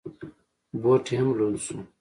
بوټ یې هم لوند شو.